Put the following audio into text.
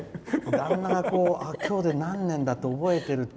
旦那が、今日で何年だって覚えてるって。